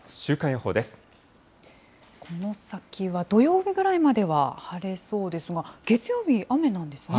この先は、土曜日ぐらいまでは晴れそうですが、月曜日、雨なんですね。